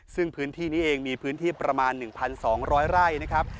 ซึ่งพื้นที่นี้เองมีพื้นที่ประมาณ๑๒๐๐ไร่นะครับ